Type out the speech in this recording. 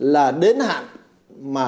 là đến hạn mà